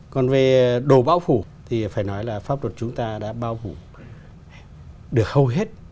còn về đồ bảo phủ thì phải nói là pháp luật chúng ta đã bảo phủ được hầu hết